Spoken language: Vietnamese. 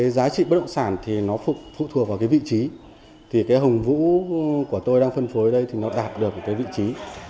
giá trị bất động sản phụ thuộc vào vị trí hồng vũ của tôi đang phân phối đây đạt được vị trí